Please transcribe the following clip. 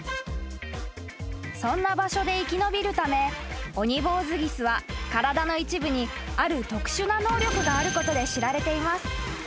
［そんな場所で生き延びるためオニボウズギスは体の一部にある特殊な能力があることで知られています］